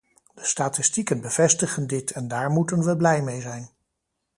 De statistieken bevestigen dit en daar moeten we blij mee zijn.